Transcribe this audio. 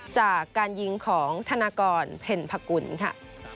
จากการยิงของธนากรเพ็ญพกุลค่ะ